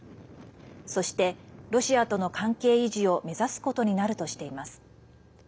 そして、ロシアとの関係維持を目指すことになるとしています。